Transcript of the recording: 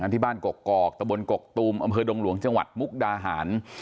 ที่บ้านกกอกตะบนกกตูมอำเภอดงหลวงจังหวัดมุกดาหาร